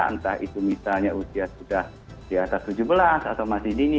entah itu misalnya usia sudah di atas tujuh belas atau masih dini